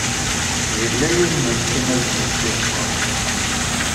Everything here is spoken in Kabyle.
Yella yiẓem n ččina deg yimsismeḍ.